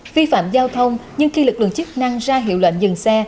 vi phạm giao thông nhưng khi lực lượng chức năng ra hiệu lệnh dừng xe